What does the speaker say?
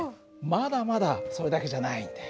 まだまだそれだけじゃないんだよ。